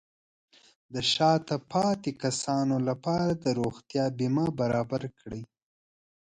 د شاته پاتې کسانو لپاره د روغتیا بیمه برابر کړئ.